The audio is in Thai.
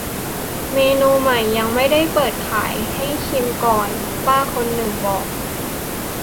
"เมนูใหม่ ยังไม่ได้เปิดขาย ให้ชิมก่อน" ป้าคนนึงบอก